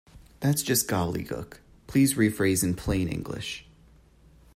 That’s just gobbledegook! Please rephrase it in plain English